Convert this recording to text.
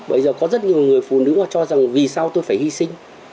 bây giờ có rất nhiều người phụ nữ họ cho rằng vì sao tôi phải hy sinh